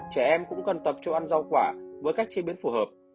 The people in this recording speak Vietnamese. trẻ em cũng cần tập cho ăn rau quả với cách chế biến phù hợp